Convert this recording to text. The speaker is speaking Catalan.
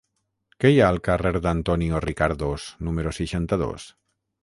Què hi ha al carrer d'Antonio Ricardos número seixanta-dos?